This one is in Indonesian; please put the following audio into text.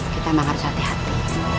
kita memang harus hati hati